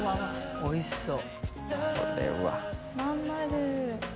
おいしそう！